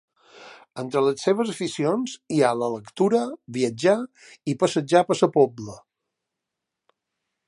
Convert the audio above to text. Entre les seves aficions hi ha la lectura, viatjar i passejar per Sa Pobla.